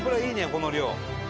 この量。